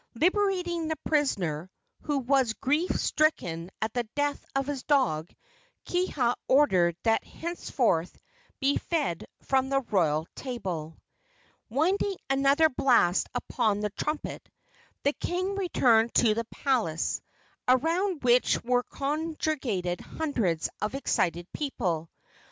Liberating the prisoner, who was grief stricken at the death of his dog, Kiha ordered that he henceforth be fed from the royal table. Winding another blast upon the trumpet, the king returned to the palace, around which were congregated hundreds of excited people.